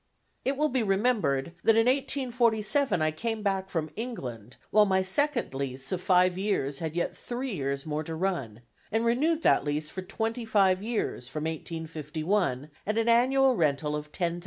It will be remembered that in 1847 I came back from England, while my second lease of five years had yet three years more to run, and renewed that lease for twenty five years from 1851 at an annual rental of $10,000.